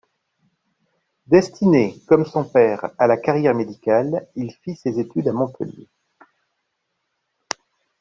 Destiné, comme son père, à la carrière médicale, il fit ses études à Montpellier.